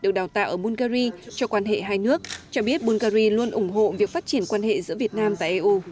được đào tạo ở bungary cho quan hệ hai nước cho biết bungary luôn ủng hộ việc phát triển quan hệ giữa việt nam và eu